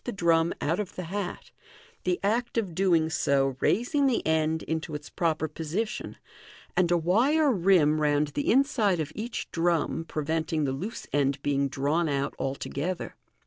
3ii the drum out of the hat, the act of doing so raising the end into its proper position, and a wire rim round the inside of each drum pre venting the loose end being drawn out altogether.